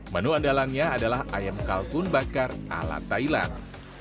menu andalannya adalah ayam kalkun bakar ala thailand